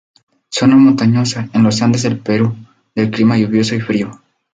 Zona montañosa, en los Andes del Perú, de clima lluvioso, y frío.